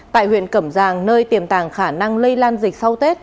tại huyện cẩm giang nơi tiềm tàng khả năng lây lan dịch sau tết